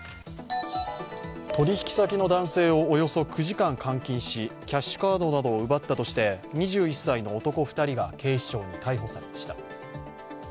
取引先の男性をおよそ９時間監禁しキャッシュカードなどを奪ったとして２１歳の男２人が警視庁に逮捕されました。